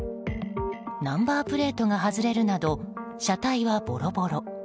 ナンバープレートが外れるなど車体はボロボロ。